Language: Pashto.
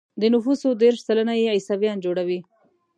د نفوسو دېرش سلنه يې عیسویان جوړوي.